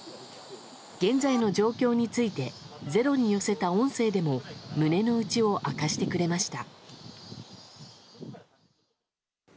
現在の状況について「ｚｅｒｏ」に寄せた音声でも胸の内を明かしてくれました。